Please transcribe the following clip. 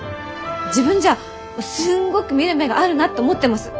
自分じゃすんごく見る目があるなって思ってます！